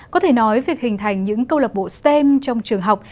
có thể nói việc hình thành những câu lạc bộ stem trong trường học